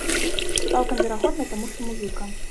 Цалкам верагодна, таму што музыка.